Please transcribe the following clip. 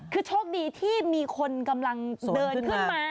คือโชคดีที่มีคนกำลังเดินขึ้นมา